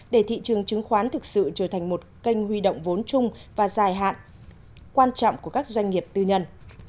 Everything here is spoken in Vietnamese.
để thị trường chứng khoán thực sự trở thành một kênh huy động vốn chung và dài hạn quan trọng của các doanh nghiệp tư nhân